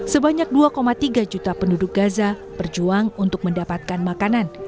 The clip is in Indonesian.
sebanyak dua tiga juta penduduk gaza berjuang untuk mendapatkan makanan